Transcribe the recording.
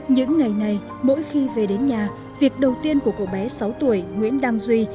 những ngày này mỗi khi về đến nhà việc đầu tiên của cậu bé sáu tuổi nguyễn đăng duy